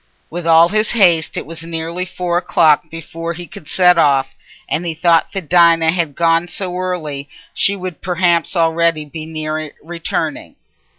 With all his haste it was nearly four o'clock before he could set off, and he thought that as Dinah had gone so early, she would perhaps already be near returning.